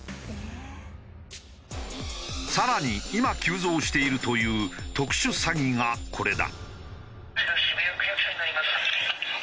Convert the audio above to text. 更に今急増しているという特殊詐欺がこれだ。